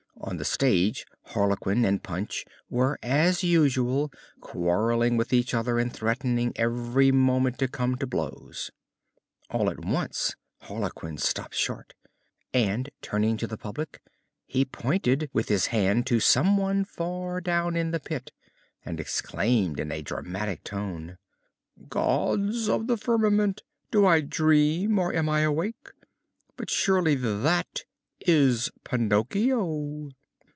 On the stage Harlequin and Punch were as usual quarrelling with each other and threatening every moment to come to blows. All at once Harlequin stopped short and, turning to the public, he pointed with his hand to some one far down in the pit and exclaimed in a dramatic tone: "Gods of the firmament! Do I dream or am I awake? But surely that is Pinocchio!"